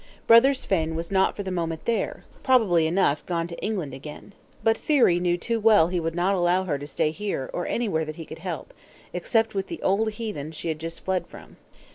Brother Svein was not for the moment there; probably enough gone to England again. But Thyri knew too well he would not allow her to stay here, or anywhere that he could help, except with the old heathen she had just fled from.